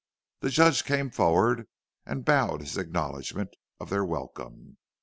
The Judge came forward, and bowed his acknowledgment of their welcome.